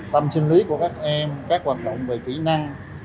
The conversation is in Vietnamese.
tâm sinh lý của các em các hoạt động về kỹ năng